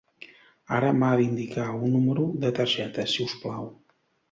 Ara m'ha d'indicar un número de targeta, si us plau.